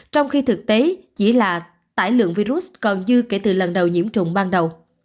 trong khi thực tế chỉ là tải lượng virus còn dư kể từ lần đầu nhiễm trùng ban đầu